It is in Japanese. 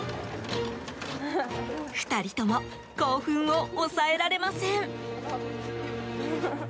２人とも興奮を抑えられません。